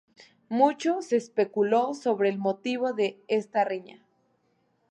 Mucho se especuló sobre el motivo de esta riña.